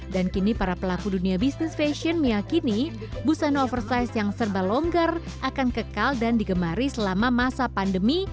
dan kini para pelaku dunia bisnis fashion meyakini busano oversize yang serba longgar akan kekal dan digemari selama masa pandemi